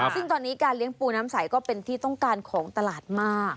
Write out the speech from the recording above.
ซึ่งตอนนี้การเลี้ยงปูน้ำใสก็เป็นที่ต้องการของตลาดมาก